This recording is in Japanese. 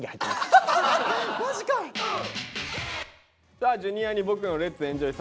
さあＪｒ．に「ボクのレッツエンジョイ！